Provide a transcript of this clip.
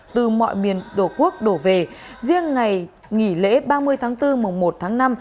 từ mọi miền đổ quốc đổ về riêng ngày nghỉ lễ ba mươi tháng bốn mùng một tháng năm